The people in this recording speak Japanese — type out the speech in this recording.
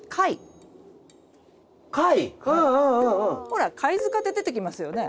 ほら貝塚って出てきますよね。